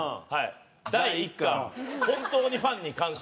第１巻」「本当にファンに感謝！！」